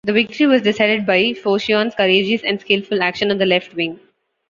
The victory was decided by Phocion's courageous and skillful action on the left wing.